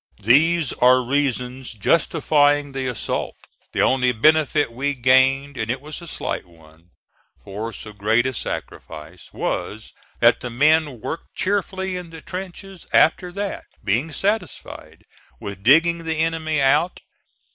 These are reasons justifying the assault. The only benefit we gained and it was a slight one for so great a sacrifice was that the men worked cheerfully in the trenches after that, being satisfied with digging the enemy out.